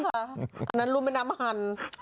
อันนั้นรุ่มแม่น้ำหัน